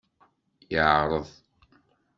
Yeɛreḍ.